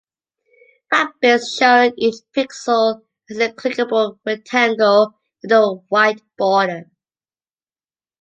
FatBits showed each pixel as a clickable rectangle with a white border.